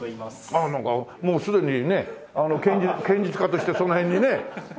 ああなんかもうすでにね剣術家としてその辺にねやってそうなね。